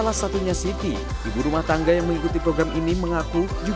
hidup rumah tangga yang mengikuti program ini mengaku juga bisa menghasilkan uang